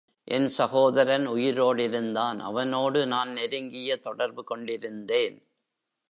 என் சகோதரன் உயிரோடிருந்தான் அவனோடு நான் நெருங்கிய தொடர்பு கொண்டிருந்தேன்.